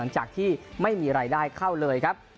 หลังจากที่ไม่มีรายได้เข้าเลยครับ